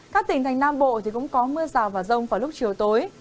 các tỉnh thành nam bộ cũng có mưa rào và rông vào lúc chiều tối